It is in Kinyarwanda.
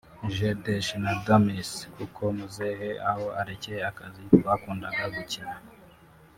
jeux d’échec na Dames kuko muzehe aho arekeye akazi twakundaga gukina